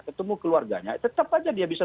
ketemu keluarganya tetap saja dia bisa